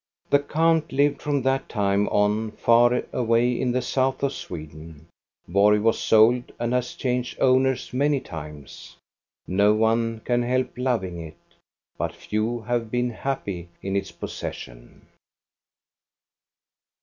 The count lived from that time on far away in the South of Sweden. Borg was sold and has changed owners many times. No one can help loving it. But few have been happy in its possession.